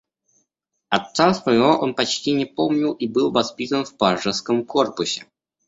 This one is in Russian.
Отца своего он почти не помнил и был воспитан в Пажеском Корпусе.